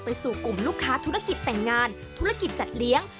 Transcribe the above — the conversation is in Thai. สู่กลุ่มลูกค้าธุรกิจแต่งงานธุรกิจจัดเลี้ยง